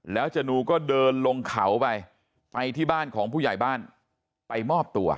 แล้วจนูก็เดินลงเขาไปไปที่บ้านของผู้ใหญ่บ้านไปมอบตัว